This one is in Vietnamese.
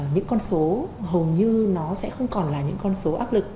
những con số hầu như nó sẽ không còn là những con số áp lực